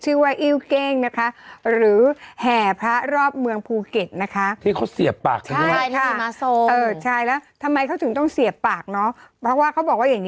หรือว่าเอาเหล็กแหลมมาแทง